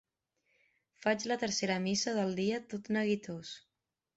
Faig la tercera missa del dia tot neguitós.